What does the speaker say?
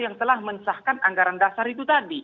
yang telah mensahkan anggaran dasar itu tadi